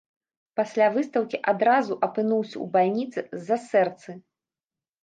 Пасля выстаўкі адразу апынуўся ў бальніцы з-за сэрцы.